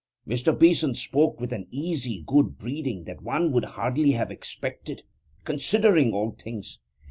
Mr. Beeson spoke with an easy good breeding that one would hardly have expected, considering all things.